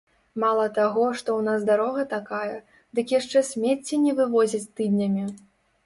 Мала таго, што ў нас дарога такая, дык яшчэ смецце не вывозяць тыднямі.